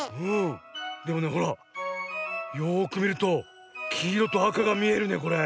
でもねほらよくみるときいろとあかがみえるねこれ。